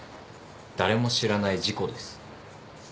誰も知らない事故です。